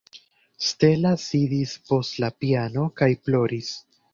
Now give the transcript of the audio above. Stella sidis post la piano kaj ploris.